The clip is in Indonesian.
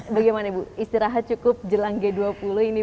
bagaimana ibu istirahat cukup jelang g dua puluh ini